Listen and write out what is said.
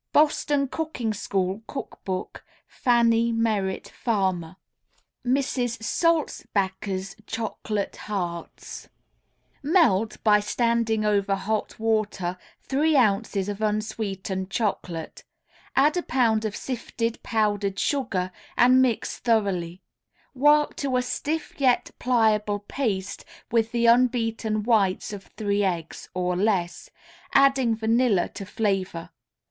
Boston Cooking School Cook Book Fannie Merritt Farmer. MRS. SALZBACHER'S CHOCOLATE HEARTS Melt, by standing over hot water, three ounces of unsweetened chocolate; add a pound of sifted powdered sugar and mix thoroughly; work to a stiff yet pliable paste with the unbeaten whites of three eggs (or less), adding vanilla to flavor.